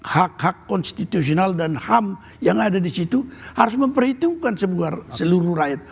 hak hak konstitusional dan ham yang ada di situ harus memperhitungkan seluruh rakyat